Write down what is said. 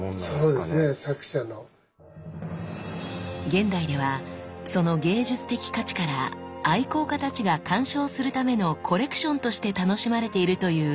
現代ではその芸術的価値から愛好家たちが観賞するためのコレクションとして楽しまれているという鐔。